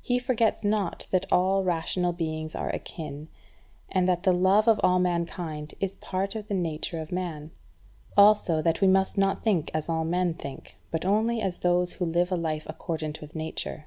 He forgets not that all rational beings are akin, and that the love of all mankind is part of the nature of man; also that we must not think as all men think, but only as those who live a life accordant with nature.